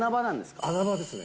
穴場ですね。